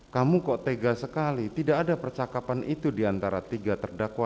kamu kok tega sekali tidak ada percakapan itu diantara tiga terdakwa